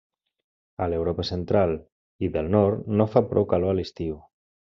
A l'Europa central i del nord no fa prou calor a l'estiu.